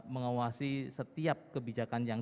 mengawasi setiap kebijakan yang